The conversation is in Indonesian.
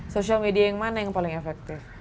sosial media yang mana yang paling efektif